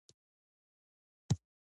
د کار ارزښت باید وپېژندل شي.